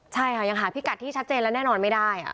ใช่ค่ะยังหาพิกัดที่ได้แน่นอนไม่ได้